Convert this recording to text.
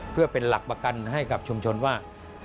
เพื่อเป็นหลักประกันให้กับชุมชนว่า